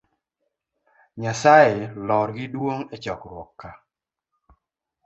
Nyasaye lor gi duong echokruok ka